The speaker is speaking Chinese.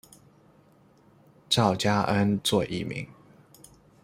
赵佳恩作艺名。